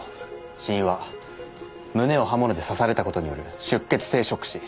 死因は胸を刃物で刺された事による出血性ショック死。